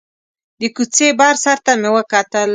د کوڅې بر سر ته مې وکتل.